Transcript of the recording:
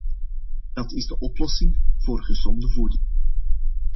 Dat is de oplossing voor gezonde voeding.